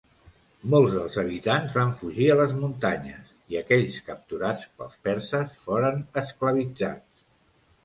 Molts dels habitants van fugir a les muntanyes; i aquells capturats pels perses foren esclavitzats.